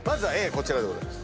こちらでございます。